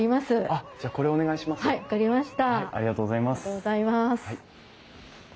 ありがとうございます。